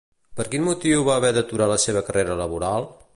Per quin motiu va haver d'aturar la seva carrera laboral?